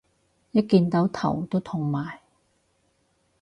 一見到頭都痛埋